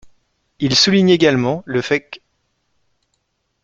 Il souligne également le fait qu'.